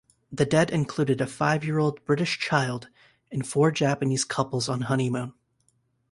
The dead included a five-year-old British child and four Japanese couples on honeymoon.